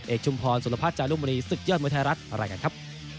ชุมพรสุรพัฒน์จารุมรีศึกยอดมวยไทยรัฐรายงานครับ